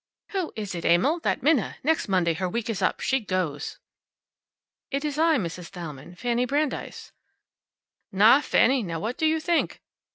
"Who is it, Emil? That Minna! Next Monday her week is up. She goes." "It's I, Mrs. Thalmann. Fanny Brandeis." "Na, Fanny! Now what do you think!"